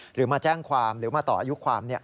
หรือมาแจ้งความหรือมาต่ออายุความ